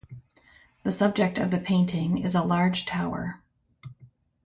The subject of the painting is a large tower.